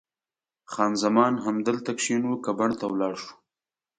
خان زمان: همدلته کښېنو که بڼ ته ولاړ شو؟